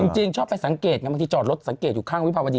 จริงชอบไปสังเกตไงบางทีจอดรถสังเกตอยู่ข้างวิภาวดี